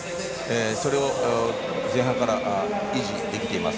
それを前半から維持できています。